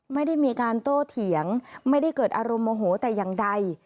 ไม่ได้มีการโต้เถียงไม่ได้เกิดอารมณ์โมโหแต่อย่างใด